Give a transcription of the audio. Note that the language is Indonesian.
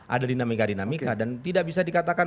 ada dinamika dinamika dan tidak bisa dikatakan